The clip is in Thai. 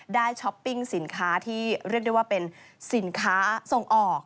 ช้อปปิ้งสินค้าที่เรียกได้ว่าเป็นสินค้าส่งออก